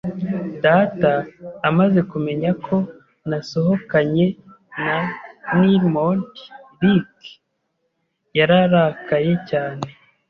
Data amaze kumenya ko nasohokanye na Nimrod Nick, yararakaye cyane.